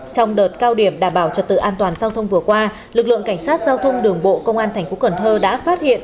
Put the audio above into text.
trong đợt cao điểm đảm bảo trật tự an toàn giao thông vừa qua lực lượng cảnh sát giao thông đường bộ công an thành phố cần thơ đã phát hiện